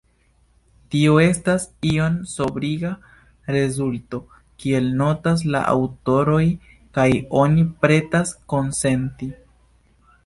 Tio estas iom sobriga rezulto, kiel notas la aŭtoroj, kaj oni pretas konsenti.